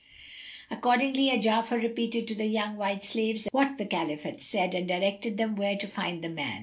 Accordingly Ja'afar repeated to the young white slaves what the Caliph had said and directed them where to find the man.